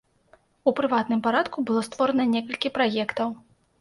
У прыватным парадку было створана некалькі праектаў.